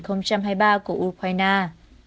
cảm ơn các bạn đã theo dõi và hẹn gặp lại